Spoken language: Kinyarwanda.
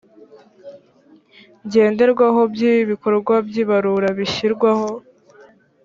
ngenderwaho by ibikorwa by ibarura bishyirwaho